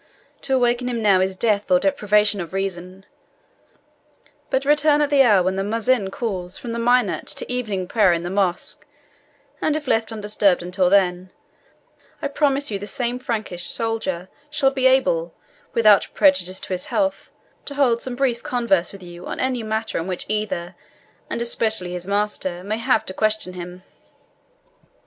To awaken him now is death or deprivation of reason; but return at the hour when the muezzin calls from the minaret to evening prayer in the mosque, and if left undisturbed until then, I promise you this same Frankish soldier shall be able, without prejudice to his health, to hold some brief converse with you on any matters on which either, and especially his master, may have to question him."